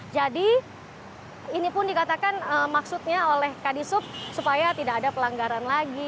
jadi ini pun dikatakan maksudnya oleh kd sub supaya tidak ada pelanggaran lagi